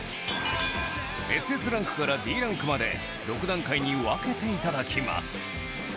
ＳＳ ランクから Ｄ ランクまで６段階に分けて頂きます